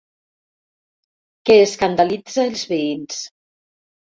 Que escandalitza els veïns.